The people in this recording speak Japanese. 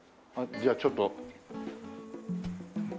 じゃあちょっと。